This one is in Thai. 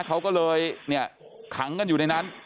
เขาก็เลยเนี่ยขังกันอยู่ในนั้น